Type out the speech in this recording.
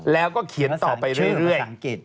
แล้วก็เขียนต่อไปเรื่อย